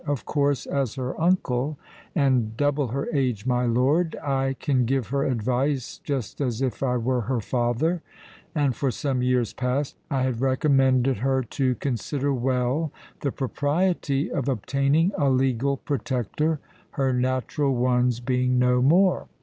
Of course, as her uncle—and double her age, my lord—I can give her advice just as if I were her father; and for some years past I have recommended her to consider well the propriety of obtaining a legal protector, her natural ones being no more.